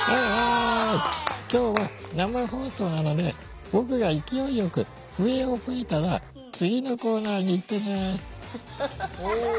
今日は生放送なので僕が勢いよく笛を吹いたら次のコーナーにいってね！